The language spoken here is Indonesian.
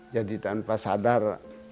jadi tanpa sadar